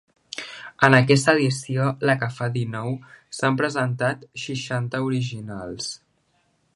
En aquesta edició, la que fa dinou, s’han presentat seixanta originals.